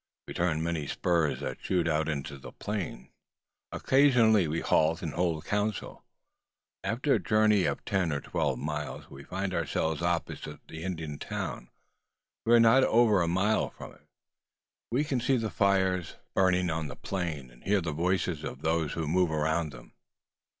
We turn many spurs that shoot out into the plain. Occasionally we halt and hold council. After a journey of ten or twelve miles, we find ourselves opposite the Indian town. We are not over a mile from it. We can see the fires burning on the plain, and hear the voices of those who move around them.